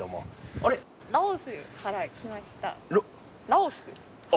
ラオス！